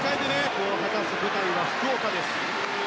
復帰を果たす舞台は福岡です。